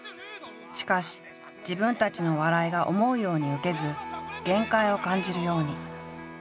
しかし自分たちの笑いが思うようにウケず限界を感じるように。